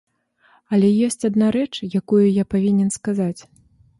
Але ёсць адна рэч, якую я павінен сказаць.